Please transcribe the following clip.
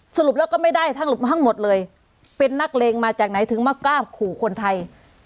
สรุปแล้วก็ไม่ได้ทั้งหมดเลยเป็นนักเลงมาจากไหนถึงมากล้ามขู่คนไทย